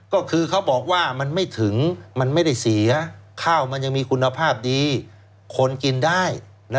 ก็คือเขาบอกว่ามันไม่ถึงมันไม่ได้เสียข้าวมันยังมีคุณภาพดีคนกินได้